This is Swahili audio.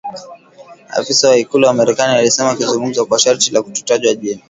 afisa wa ikulu ya Marekani alisema akizungumza kwa sharti la kutotajwa jina